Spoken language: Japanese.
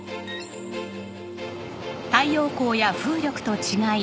太陽光や風力と違い